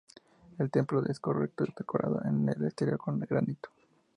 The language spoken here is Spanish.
El templo es de concreto, decorado en el exterior con granito.